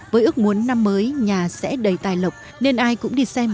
với ước muốn năm mới nhà sẽ đầy tài lộc nên ai cũng đi xem